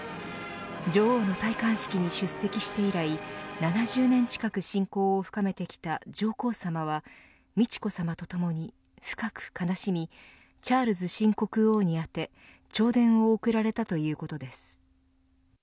女王の戴冠式に出席して以来７０年近く親交を深めてきた上皇さまは美智子さまとともに、深く悲しみチャールズ新国王に宛て弔電を送られたということです。